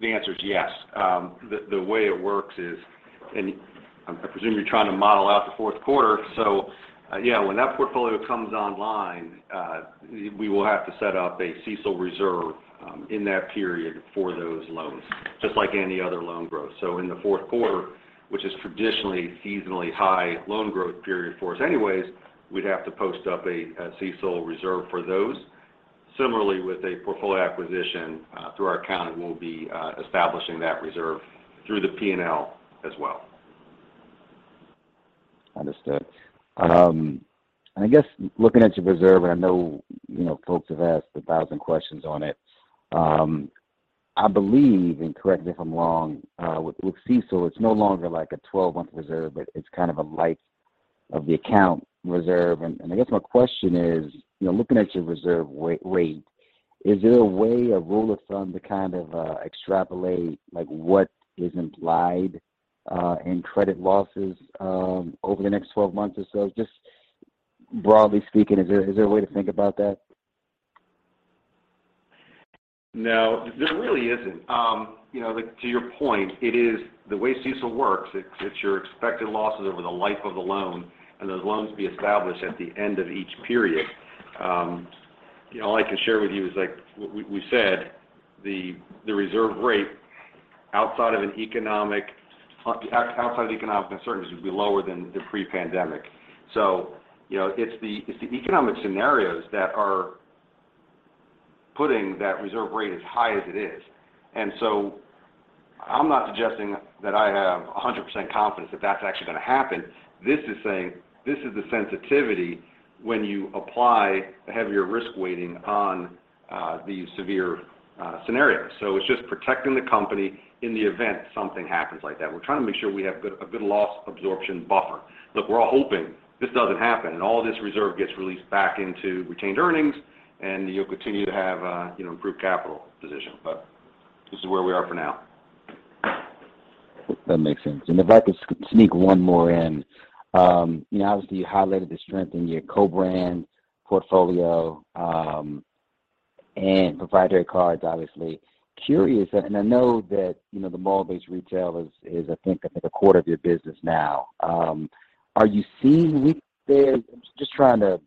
The answer is yes. The way it works is. I presume you're trying to model out the fourth quarter. Yeah, when that portfolio comes online, we will have to set up a CECL reserve in that period for those loans, just like any other loan growth. In the fourth quarter, which is traditionally seasonally high loan growth period for us anyways, we'd have to post up a CECL reserve for those. Similarly, with a portfolio acquisition through our account, we'll be establishing that reserve through the P&L as well. Understood. I guess looking at your reserve, and I know, you know, folks have asked 1,000 questions on it. I believe, and correct me if I'm wrong, with CECL, it's no longer like a 12-month reserve, but it's kind of a life of the account reserve. I guess my question is, you know, looking at your reserve rate, is there a way, a rule of thumb to kind of extrapolate like what is implied in credit losses over the next 12 months or so? Just broadly speaking, is there a way to think about that? No, there really isn't. You know, like to your point, it is the way CECL works, it's your expected losses over the life of the loan, and those loans be established at the end of each period. All I can share with you is like we said, the reserve rate outside of economic concerns would be lower than the pre-pandemic. You know, it's the economic scenarios that are putting that reserve rate as high as it is. I'm not suggesting that I have 100% confidence that that's actually gonna happen. This is the sensitivity when you apply a heavier risk weighting on these severe scenarios. It's just protecting the company in the event something happens like that. We're trying to make sure we have a good loss absorption buffer. Look, we're all hoping this doesn't happen, and all this reserve gets released back into retained earnings, and you'll continue to have a, you know, improved capital position. This is where we are for now. That makes sense. If I could sneak one more in. You know, obviously you highlighted the strength in your co-brand portfolio and proprietary cards, obviously. Curious, I know that, you know, the mall-based retail is I think up to a quarter of your business now. Are you seeing weakness there? Just trying to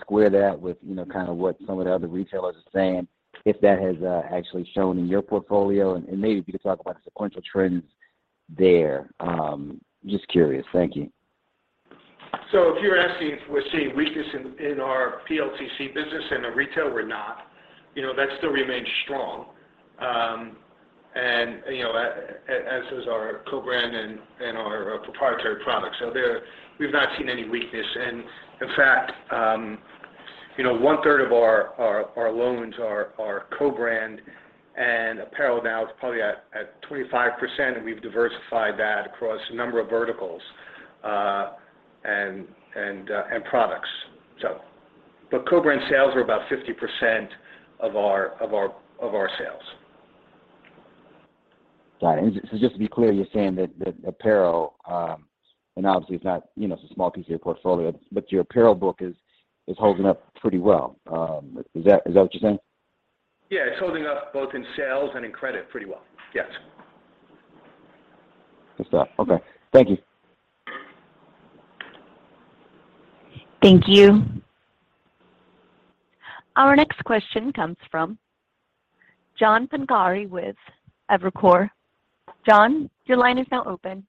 square that with, you know, kind of what some of the other retailers are saying, if that has actually shown in your portfolio. Maybe if you could talk about sequential trends there. Just curious. Thank you. If you're asking if we're seeing weakness in our PLCC business and the retail, we're not. You know, that still remains strong, and you know, as does our co-brand and our proprietary products. We've not seen any weakness. In fact, you know, 1/3 of our loans are co-brand, and apparel now is probably at 25%, and we've diversified that across a number of verticals and products. co-brand sales are about 50% of our sales. Got it. Just to be clear, you're saying that apparel, and obviously it's not, you know, it's a small piece of your portfolio, but your apparel book is holding up pretty well. Is that what you're saying? Yeah. It's holding up both in sales and in credit pretty well. Yes. Good stuff. Okay. Thank you. Thank you. Our next question comes from John Pancari with Evercore. John, your line is now open.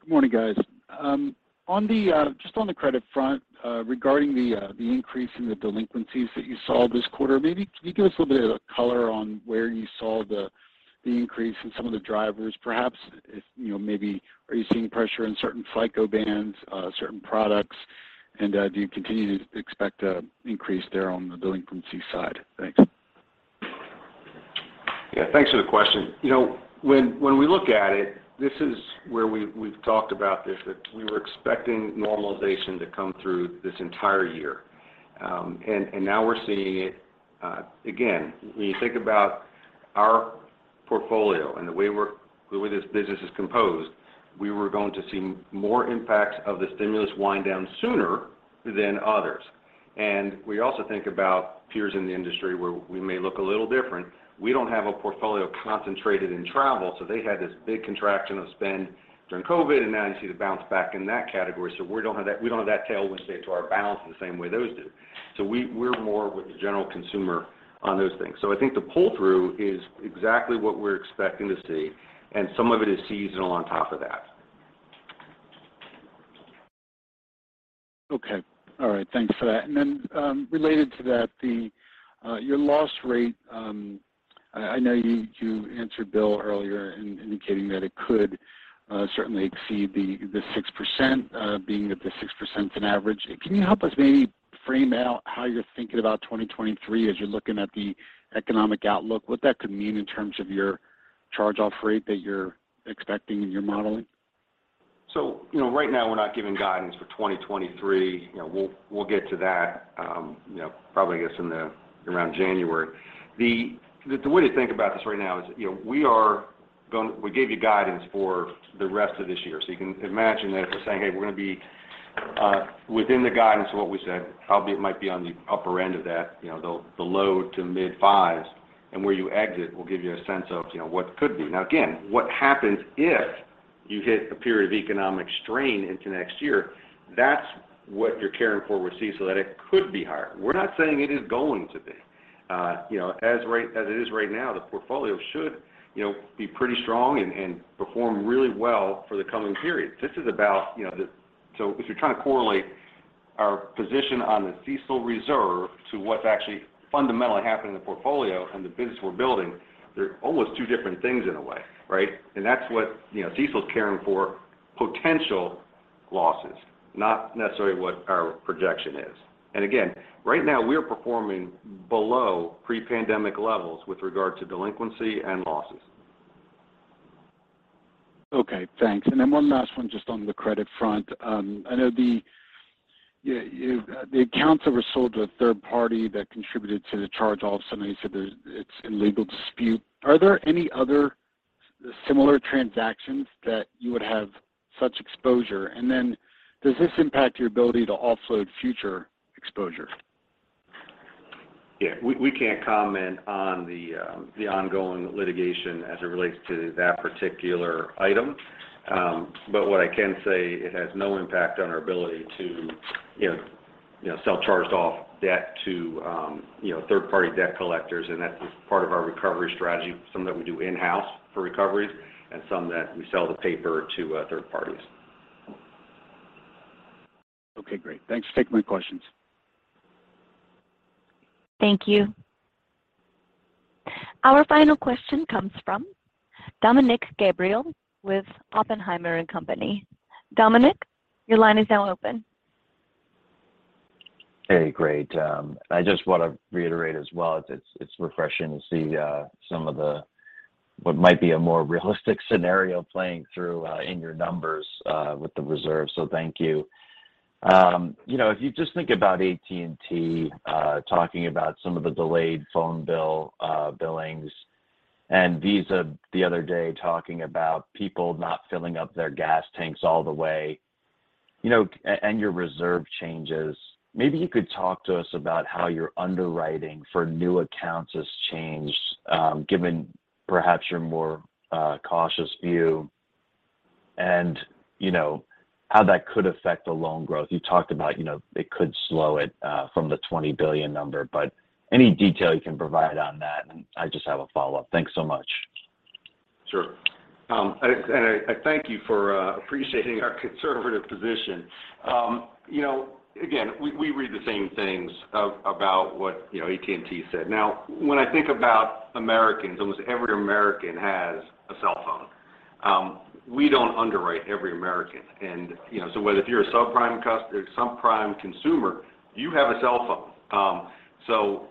Good morning, guys. Just on the credit front, regarding the increase in the delinquencies that you saw this quarter, maybe can you give us a little bit of color on where you saw the increase in some of the drivers? Perhaps if, you know, maybe are you seeing pressure in certain FICO bands, certain products? Do you continue to expect an increase there on the delinquency side? Thanks. Yeah. Thanks for the question. You know, when we look at it, this is where we've talked about this, that we were expecting normalization to come through this entire year. Now we're seeing it. Again, when you think about our portfolio and the way this business is composed, we were going to see more impacts of the stimulus wind down sooner than others. We also think about peers in the industry where we may look a little different. We don't have a portfolio concentrated in travel, so they had this big contraction of spend during COVID, and now you see the bounce back in that category. We don't have that tailwind, say, to our balance in the same way those do. We're more with the general consumer on those things. I think the pull-through is exactly what we're expecting to see, and some of it is seasonal on top of that. Okay. All right. Thanks for that. Related to that, your loss rate, I know you answered Bill earlier in indicating that it could certainly exceed the 6%, being that the 6% is an average. Can you help us maybe frame out how you're thinking about 2023 as you're looking at the economic outlook, what that could mean in terms of your charge-off rate that you're expecting in your modeling? Right now we're not giving guidance for 2023. You know, we'll get to that, you know, probably I guess around January. The way to think about this right now is, you know, we gave you guidance for the rest of this year. You can imagine that if we're saying, "Hey, we're going to be within the guidance of what we said," probably it might be on the upper end of that. You know, the low- to mid-5%s. Where you exit will give you a sense of, you know, what could be. Now again, what happens if you hit a period of economic strain into next year, that's what you're caring for with CECL, that it could be higher. We're not saying it is going to be. You know, as it is right now, the portfolio should, you know, be pretty strong and perform really well for the coming periods. This is about, you know. If you're trying to correlate our position on the CECL reserve to what's actually fundamentally happening in the portfolio and the business we're building, they're almost two different things in a way, right? That's what, you know, CECL's caring for potential losses, not necessarily what our projection is. Again, right now we are performing below pre-pandemic levels with regard to delinquency and losses. Okay, thanks. One last one just on the credit front. I know the accounts that were sold to a third party that contributed to the charge-off. Somebody said it's in legal dispute. Are there any other similar transactions that you would have such exposure? Does this impact your ability to offload future exposure? Yeah. We can't comment on the ongoing litigation as it relates to that particular item. What I can say, it has no impact on our ability to you know sell charged off debt to you know third party debt collectors, and that is part of our recovery strategy. Some that we do in-house for recoveries and some that we sell the paper to third parties. Okay, great. Thanks. Taking my questions. Thank you. Our final question comes from Dominick Gabriele with Oppenheimer & Co. Dominick, your line is now open. Hey, great. I just want to reiterate as well, it's refreshing to see some of the what might be a more realistic scenario playing through in your numbers with the reserve. So thank you. You know, if you just think about AT&T talking about some of the delayed phone bill billings, and Visa the other day talking about people not filling up their gas tanks all the way. You know, and your reserve changes. Maybe you could talk to us about how your underwriting for new accounts has changed, given perhaps your more cautious view and, you know, how that could affect the loan growth. You talked about, you know, it could slow it from the $20 billion number, but any detail you can provide on that? I just have a follow-up. Thanks so much. Sure. I thank you for appreciating our conservative position. You know, again, we read the same things about what, you know, AT&T said. Now, when I think about Americans, almost every American has a cell phone. We don't underwrite every American. You know, whether if you're a subprime consumer, you have a cell phone.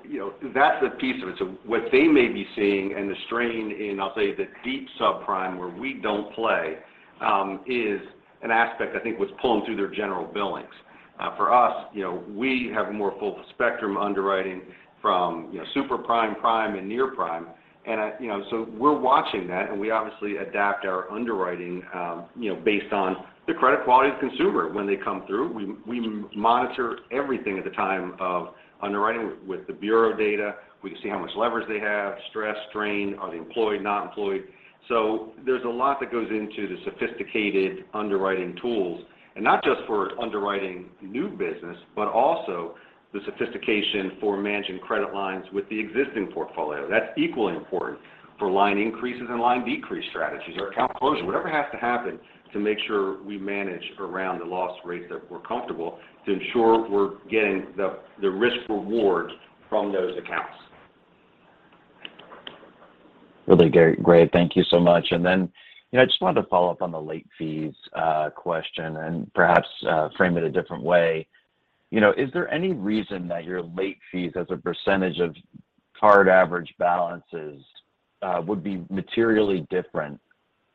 You know, that's a piece of it. What they may be seeing, and the strain in, I'll say the deep subprime where we don't play, is an aspect I think what's pulling through their general billings. For us, you know, we have more full spectrum underwriting from, you know, super prime and near prime. I...You know, we're watching that, and we obviously adapt our underwriting, you know, based on the credit quality of the consumer when they come through. We monitor everything at the time of underwriting. With the bureau data, we can see how much leverage they have, stress, strain, are they employed, not employed. There's a lot that goes into the sophisticated underwriting tools, and not just for underwriting new business, but also the sophistication for managing credit lines with the existing portfolio. That's equally important for line increases and line decrease strategies or account closure. Whatever has to happen to make sure we manage around the loss rate that we're comfortable to ensure we're getting the risk reward from those accounts. Really great. Thank you so much. You know, I just wanted to follow up on the late fees question and perhaps frame it a different way. You know, is there any reason that your late fees as a percentage of card average balances would be materially different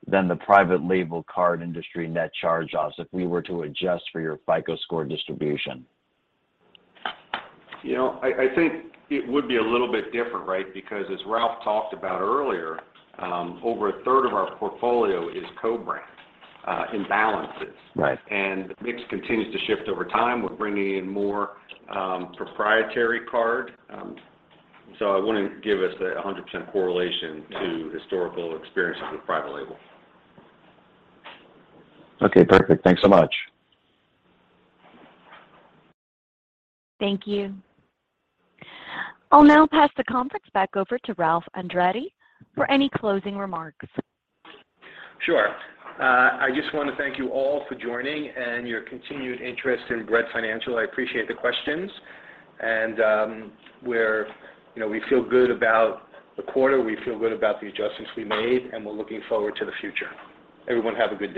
than the private label card industry net charge-offs if we were to adjust for your FICO score distribution? You know, I think it would be a little bit different, right? Because as Ralph talked about earlier, over a third of our portfolio is co-brand in balances. Right. The mix continues to shift over time. We're bringing in more proprietary card. So I wouldn't give us a 100% correlation to historical experiences with private label. Okay. Perfect. Thanks so much. Thank you. I'll now pass the conference back over to Ralph Andretta for any closing remarks. Sure. I just wanna thank you all for joining and your continued interest in Bread Financial. I appreciate the questions. You know, we feel good about the quarter, we feel good about the adjustments we made, and we're looking forward to the future. Everyone, have a good day.